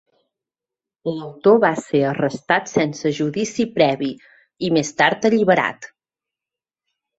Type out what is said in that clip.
L'autor va ser arrestat sense judici previ, i més tard alliberat.